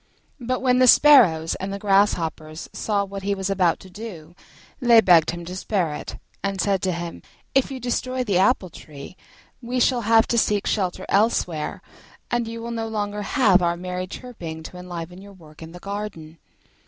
But when the sparrows and the grasshoppers saw what he was about to do, they begged him to spare it, and said to him, "If you destroy the tree we shall have to seek shelter elsewhere, and you will no longer have our merry chirping to enliven your work in the garden."